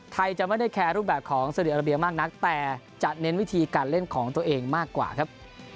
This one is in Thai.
จะไม่ได้แคร์รูปแบบของซาดีอาราเบียมากนักแต่จะเน้นวิธีการเล่นของตัวเองมากกว่าครับ